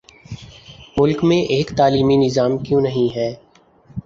ملک میں ایک تعلیمی نظام کیوں نہیں ہے؟